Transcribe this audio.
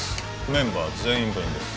メンバー全員分です